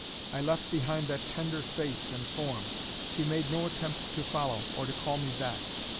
I left behind that tender face and form. She made no attempt to follow, or to call me back.